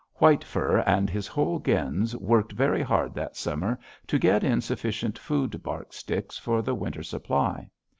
"White Fur and his whole gens worked very hard that summer to get in sufficient food bark sticks for the winter supply.